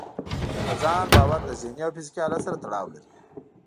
په ځان باور له ذهني او فزيکي حالت سره تړاو لري.